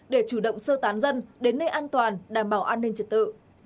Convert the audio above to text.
để chủ động sơ tán dân đến nơi an toàn đảm bảo an ninh trật tự